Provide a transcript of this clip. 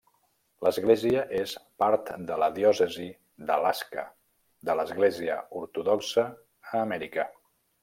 L'església és part de la diòcesi d'Alaska de l'Església Ortodoxa a Amèrica.